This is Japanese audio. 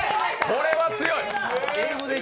これは強い。